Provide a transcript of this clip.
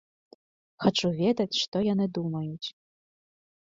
Хачу ведаць, што яны думаюць.